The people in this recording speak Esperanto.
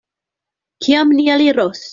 Kiam ni eliros?